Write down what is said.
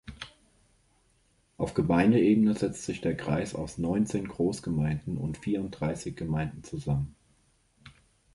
Auf Gemeindeebene setzt sich der Kreis aus neunzehn Großgemeinden und vierunddreißig Gemeinden zusammen.